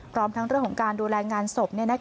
พร้อมทั้งเรื่องของการดูแลงานศพ